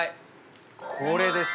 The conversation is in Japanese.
これです。